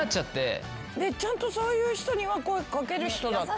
ちゃんとそういう人には声掛ける人だった？